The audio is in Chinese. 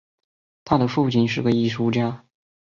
他的父亲是个艺术家。